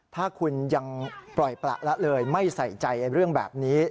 ถ้าคุณยังปล่อยประละเลยไม่ใส่ใจเรื่องแบบนี้